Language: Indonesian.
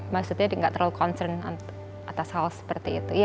maksudnya dia nggak terlalu concern atas hal seperti itu